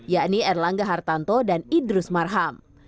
yakni erlangga hartanto dan idrus marham